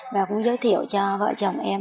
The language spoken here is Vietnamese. và cũng giới thiệu cho vợ chồng em